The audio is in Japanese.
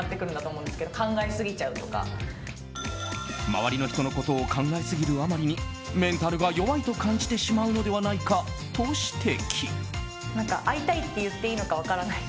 周りの人のことを考えすぎるあまりにメンタルが弱いと感じてしまうのではないかと指摘。